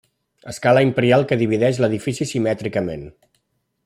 Escala imperial que divideix l'edifici simètricament.